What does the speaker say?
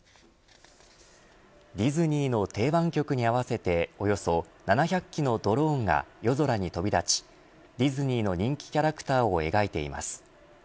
ディズニーの定番曲に合わせておよそ７００機のドローンが夜空に飛び立ち、ディズニーの人気キャラクターを描いています。